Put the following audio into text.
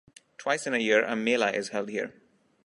Twice in a year a mela is held here.